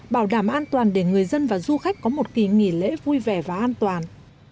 bảo đảm an toàn để người dân và du khách có một kỳ nghỉ lễ vui vẻ và an toàn